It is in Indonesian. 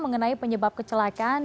mengenai penyebab kecelakaan